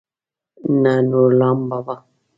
نه نورلام بابا.